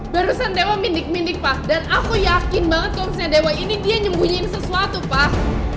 barusan dewa mindik mindik pak dan aku yakin banget omsetnya dewa ini dia nyembunyiin sesuatu pak